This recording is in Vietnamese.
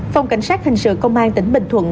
phòng cảnh sát hình sự công an tỉnh bình thuận